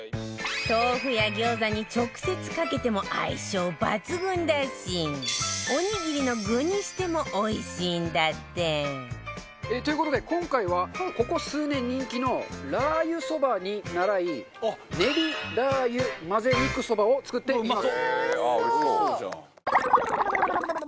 豆腐や餃子に直接かけても相性抜群だしおにぎりの具にしてもおいしいんだってという事で、今回はここ数年、人気のラー油そばにならいねりラー油まぜ肉そばを作っていきます。